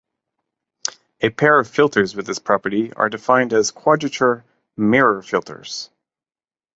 A pair of filters with this property are defined as quadrature mirror filters.